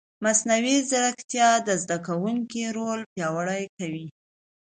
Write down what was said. مصنوعي ځیرکتیا د زده کوونکي رول پیاوړی کوي.